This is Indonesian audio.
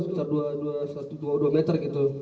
sekitar dua meter gitu